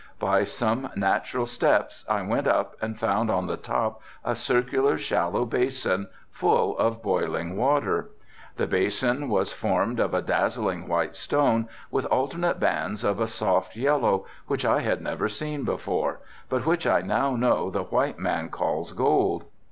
By some natural steps I went up and found on the top a circular, shallow basin full of boiling water. The basin was formed of a dazzling white stone with alternate bands of a soft yellow, which I had never seen before, but which I now know the white man calls gold.